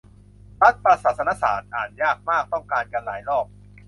รัฐประศาสนศาตร์ อ่านยากมาก ต้องการกันหลายรอบ